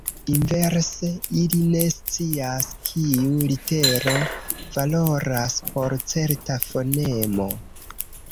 Inverse, ili ne scias, kiu litero valoras por certa fonemo.